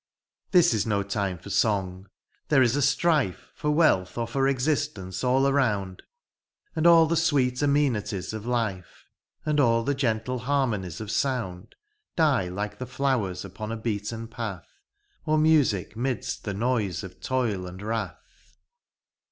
HemsDi. IV. This is no time for song : there is a strife For wealth or for existence aU aionnd ; And an the sweet amenities of life. And an the gentle harmonies of sounds Die like the flowers upon a beaten path. Or music midst the noise of toil and wrath.